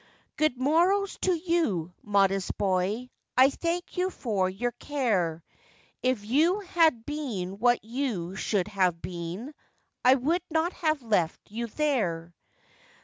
'Good morrow to you, modest boy, I thank you for your care; If you had been what you should have been, I would not have left you there.